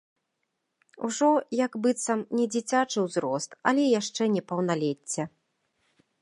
Ужо, як быццам, не дзіцячы ўзрост, але яшчэ не паўналецце.